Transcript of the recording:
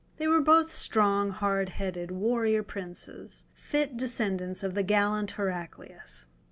They were both strong, hard headed warrior princes, fit descendants of the gallant Heraclius.